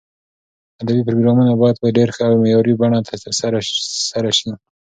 ادبي پروګرامونه باید په ډېر ښه او معیاري بڼه سره ترسره شي.